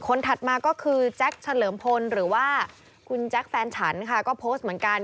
ถัดมาก็คือแจ็คเฉลิมพลหรือว่าคุณแจ๊คแฟนฉันค่ะก็โพสต์เหมือนกัน